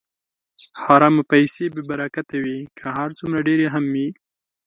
حرامې پیسې بېبرکته وي، که هر څومره ډېرې هم وي.